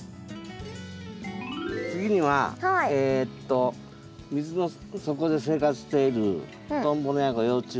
次にはえと水の底で生活しているトンボのヤゴ幼虫